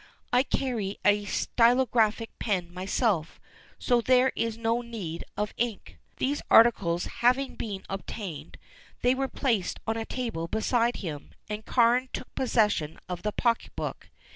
I carry a stylographic pen myself, so there is no need of ink." These articles having been obtained, they were placed on a table beside him, and Carne took possession of the pocket book.